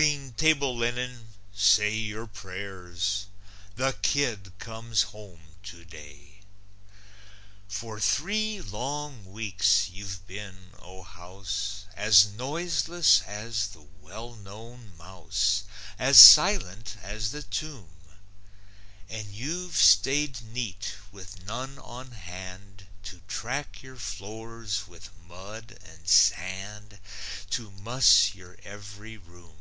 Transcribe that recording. Clean table linen, say your prayers! The kid comes home today! For three long weeks you've been, O House, As noiseless as the well known mouse, As silent as the tomb. And you've stayed neat, with none on hand To track your floors with mud and sand, To muss your ev'ry room.